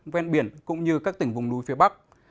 ven biển cũng như các tỉnh vùng núi phía bắc